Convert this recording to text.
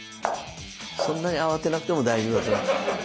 そんなに慌てなくても大丈夫だと思います。